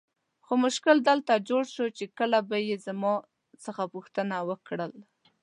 خو مشکل دلته جوړ سو چې کله به یې زما څخه پوښتنه وکړل.